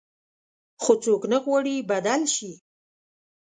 خو څوک نه غواړي بدل شي.